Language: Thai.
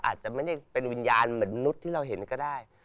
อาจจะไม่ได้เป็นวิญญาณเหมือนนุษย์ที่เราเห็นก็ได้